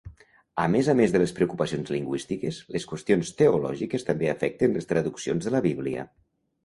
A més a més de les preocupacions lingüístiques, les qüestions teològiques també afecten les traduccions de la Bíblia.